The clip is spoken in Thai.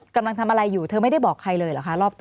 กำลังทำอะไรอยู่เธอไม่ได้บอกใครเลยเหรอคะรอบตัว